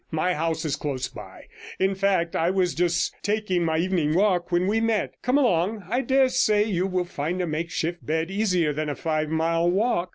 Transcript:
My house is close by; in fact, I was just taking my evening walk when we met. Come along; I dare say you will find a makeshift bed easier than a five mile walk.'